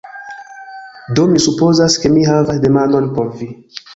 Do mi supozas ke mi havas demandon por vi: